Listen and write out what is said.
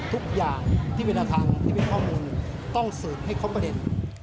ทุกอย่างที่เป็นแนวทางที่เป็นข้อมูลต้องสืบให้ครบประเด็น